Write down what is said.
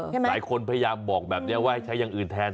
หลายคนพยายามบอกแบบนี้ว่าให้ใช้อย่างอื่นแทน